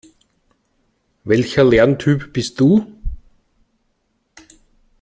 Welcher Lerntyp bist du?